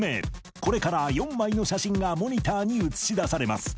これから４枚の写真がモニターに映し出されます